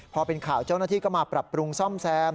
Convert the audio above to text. พอเป็นข่าวเจ้าหน้าที่ก็มาปรับปรุงซ่อมแซม